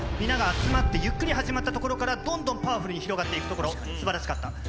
皆が集まって、ゆっくり始まったところから、どんどんパワフルに広がっていくところ、すばらしかった。